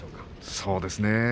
そうですね。